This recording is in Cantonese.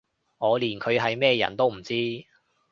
我連佢係咩人都唔知